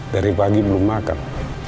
dari pagi belum makan